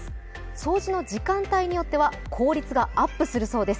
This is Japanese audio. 掃除の時間帯によっては効率がアップするそうです。